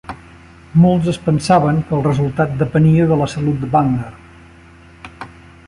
Molts es pensaven que el resultat depenia de la salut de Wagner.